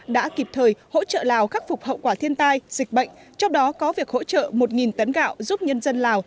đã kịp thời hỗ trợ lào khắc phục hậu quả thiên tai dịch bệnh trong đó có việc hỗ trợ một tấn gạo giúp nhân dân lào